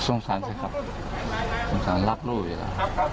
สงสารครับสงสารรักรู้อยู่ครับ